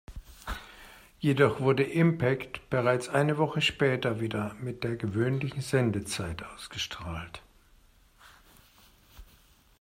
Jedoch wurde "Impact" bereits eine Woche später wieder mit der gewöhnlichen Sendezeit ausgestrahlt.